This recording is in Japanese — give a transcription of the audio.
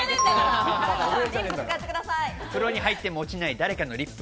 風呂に入っても落ちない誰かのリップ。